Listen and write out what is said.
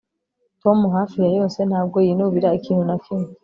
Tom hafi ya yose ntabwo yinubira ikintu na kimwe